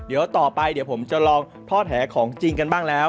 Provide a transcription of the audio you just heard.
เดี๋ยวต่อไปเดี๋ยวผมจะลองทอดแหของจริงกันบ้างแล้ว